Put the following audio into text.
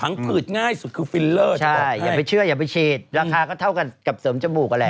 ผืดง่ายสุดคือฟิลเลอร์ใช่อย่าไปเชื่ออย่าไปฉีดราคาก็เท่ากับเสริมจมูกนั่นแหละ